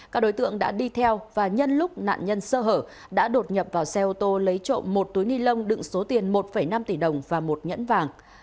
các đối tượng đã đi theo và nhân lúc nạn nhân sơ hở đã đột nhập vào xe ô tô lấy trộm một túi ni lông đựng số tiền một năm tỷ đồng và một nhẫn vàng